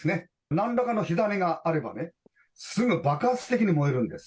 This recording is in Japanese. なんらかの火種があれば、すぐ爆発的に燃えるんです。